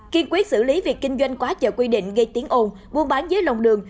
kiên quyết xử lý việc kinh doanh quá trời quy định gây tiếng ồn buôn bán dưới lồng đường